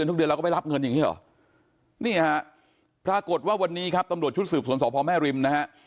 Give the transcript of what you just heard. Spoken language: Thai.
นี่ฮะพรากฏว่าวันนี้ครับตำรวจชุดสืบศวนสอบพแม่ริมนะฮะ